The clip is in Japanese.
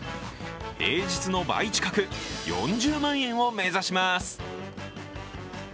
平日の倍近く４０万円を目指します。